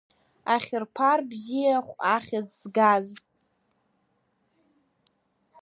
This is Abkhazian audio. Ахьырԥар бзиахә ахьӡ згаз.